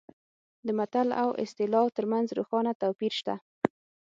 د متل او اصطلاح ترمنځ روښانه توپیر شته